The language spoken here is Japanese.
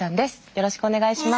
よろしくお願いします。